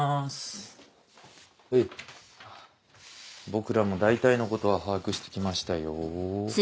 僕らも大体のことは把握して来ましたよ。